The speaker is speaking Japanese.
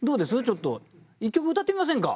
ちょっと一曲歌ってみませんか？